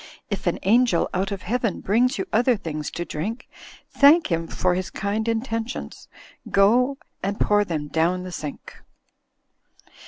If an angel out of heaven Brings you other things to drink, Thank him for his kind intentions, Go snd, pour them down the sink.